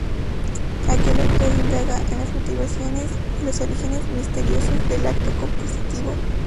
Aquí el autor indaga en las motivaciones y los orígenes misteriosos del acto compositivo.